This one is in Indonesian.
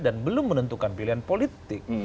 dan belum menentukan pilihan politik